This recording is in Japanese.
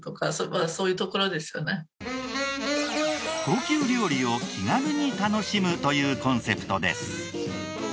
高級料理を気軽に楽しむというコンセプトです。